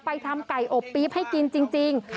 ทำไก่อบปี๊บให้กินจริง